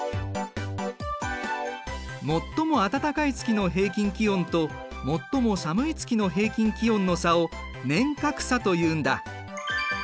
最も暖かい月の平均気温と最も寒い月の平均気温の差を年較差というんだ。